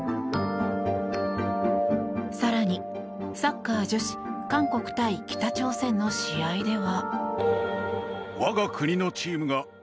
更に、サッカー女子韓国対北朝鮮の試合では。